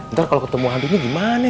ntar kalau ketemu hantunya gimana